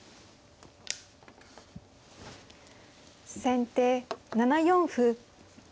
先手７四歩。